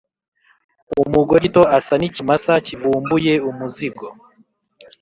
Umugore gito asa n’ikimasa cyivumbuye umuzigo,